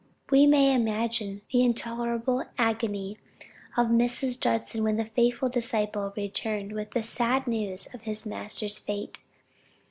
We may imagine the intolerable agony of Mrs. Judson when the faithful disciple returned with the sad news of his master's fate.